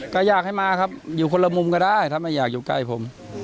ก็อยากให้มาครับอยู่คนละมุมก็ได้ถ้าไม่อยากอยู่ใกล้ผม